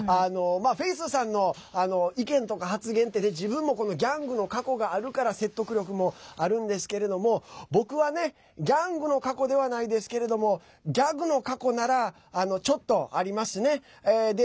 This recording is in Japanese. フェイスさんの意見とか発言って自分もギャングの過去があるから説得力もあるんですけれども僕はね、ギャングの過去ではないですけれどもギャグの過去ならちょっとありますね。